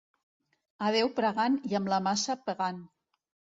A Déu pregant i amb la maça pegant.